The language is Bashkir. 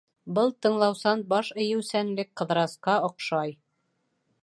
Был тыңлаусан баш эйеүсәнлек Ҡыҙырасҡа оҡшай.